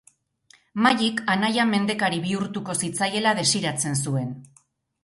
Maddik anaia mendekari bihurtuko zitzaiela desiratzen zuen.